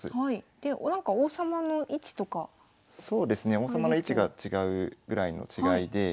王様の位置が違うぐらいの違いで。